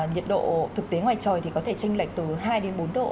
nhiệt độ thực tế ngoài trời thì có thể tranh lệch từ hai đến bốn độ